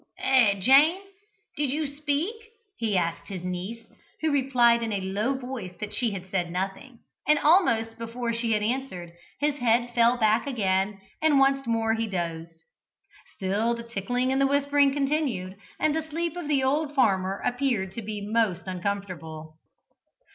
"Eh, Jane? Did you speak?" he asked his niece, who replied in a low voice that she had said nothing, and almost before she had answered, his head fell back again and once more he dozed. Still the tickling and the whispering continued, and the sleep of the old farmer appeared to be most uncomfortable.